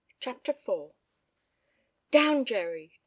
CHAPTER IV "DOWN, Jerry!